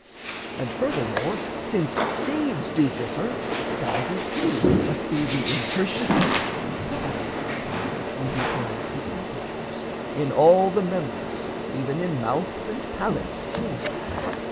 And furthermore, Since seeds do differ, divers too must be The interstices and paths (which we do call The apertures) in all the members, even In mouth and palate too.